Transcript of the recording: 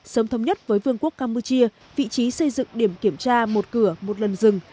sớm thống nhất với vương quốc campuchia vị trí xây dựng điểm kiểm tra một cửa một lần rừng